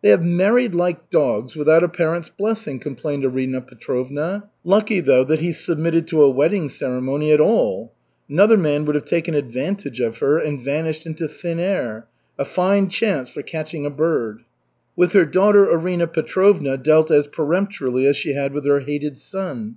"They have married like dogs, without a parent's blessing!" complained Arina Petrovna. "Lucky, though, that he submitted to a wedding ceremony at all. Another man would have taken advantage of her and vanished into thin air. A fine chance for catching a bird." With her daughter Arina Petrovna dealt as peremptorily as she had with her hated son.